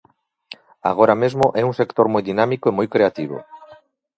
Agora mesmo é un sector moi dinámico e moi creativo.